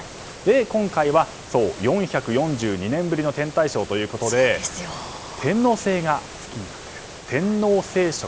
今回は、４４２年ぶりの天体ショーということで天王星が月に隠れる天王星食